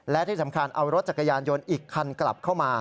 และที่สำคัญเอารถจักรยานยนต์อีกคันกลับเข้ามา